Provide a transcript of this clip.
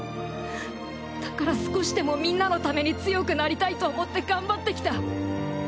だから少しでもみんなのために強くなりたいと思って頑張ってきた。